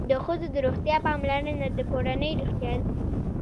د ښځو د روغتیا پاملرنه د کورنۍ روغتیا ده.